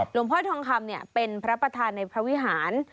หลวงพ่อทองคำเป็นพระประธานในพระวิหาร